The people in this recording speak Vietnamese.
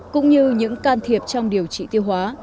cũng như những can thiệp trong điều trị tiêu hóa